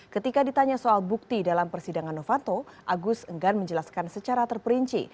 ketika ditanya soal bukti dalam persidangan novanto agus enggan menjelaskan secara terperinci